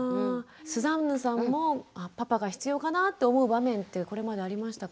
スザンヌさんもパパが必要かなと思う場面ってこれまでありましたか？